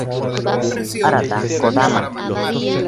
Arata Kodama